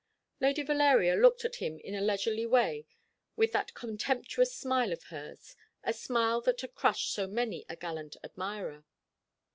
Lady Valeria looked at him in a leisurely way with that contemptuous smile of hers, a smile that had crushed so many a gallant admirer.